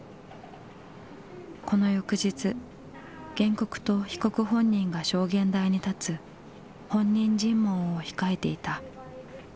この翌日原告と被告本人が証言台に立つ本人尋問を控えていた。